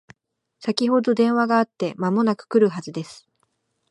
先ほど電話があって間もなく来るはずです